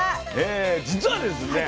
実はですね